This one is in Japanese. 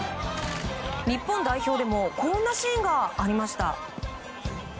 日本代表でもこんなシーンがありました。